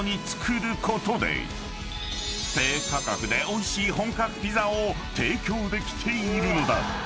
［低価格でおいしい本格ピザを提供できているのだ］